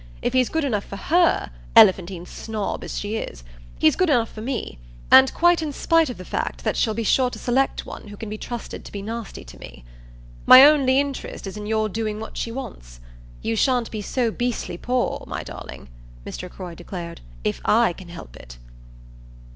If he's good enough for HER elephantine snob as she is he's good enough for me; and quite in spite of the fact that she'll be sure to select one who can be trusted to be nasty to me. My only interest is in your doing what she wants. You shan't be so beastly poor, my darling," Mr. Croy declared, "if I can help it."